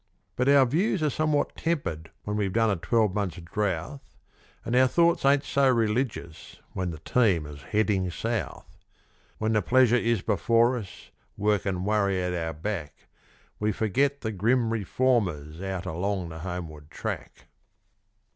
But our views are somewhat tempered when we've done a twelve months' drouth; And our thoughts ain't so religious when the team is heading south. When the pleasure is before us, work and worry at our back, We forget the grim reformers out along the Homeward Track.